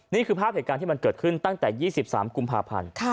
นี่คือภาพเหตุการณ์ที่มันเกิดขึ้นตั้งแต่๒๓กุมภาพันธ์